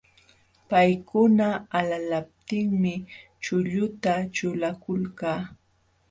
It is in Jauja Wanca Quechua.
Paykuna alalaptinmi chulluta ćhulakulka.